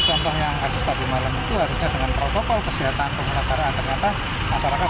contoh yang kasus tadi malam itu harusnya dengan protokol kesehatan pemulasaran ternyata masyarakat